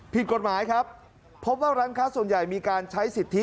ผิดกฎหมายครับพบว่าร้านค้าส่วนใหญ่มีการใช้สิทธิ